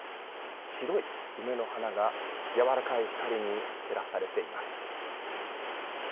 白い梅の花が、やわらかい光に照らされています。